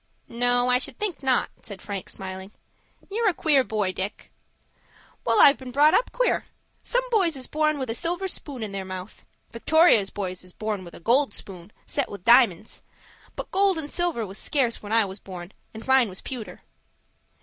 "No, I should think not," said Frank, smiling. "You're a queer boy, Dick." "Well, I've been brought up queer. Some boys is born with a silver spoon in their mouth. Victoria's boys is born with a gold spoon, set with di'monds; but gold and silver was scarce when I was born, and mine was pewter."